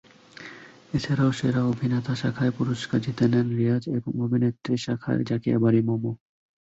এছাড়াও সেরা অভিনেতা শাখায় পুরস্কার জিতে নেন রিয়াজ এবং অভিনেত্রী শাখায় জাকিয়া বারী মম।